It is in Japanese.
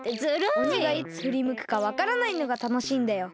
オニがいつふりむくかわからないのがたのしいんだよ。